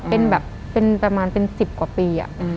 เป็นสิบกว่าปีอะ